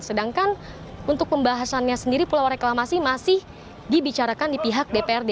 sedangkan untuk pembahasannya sendiri pulau reklamasi masih dibicarakan di pihak dprd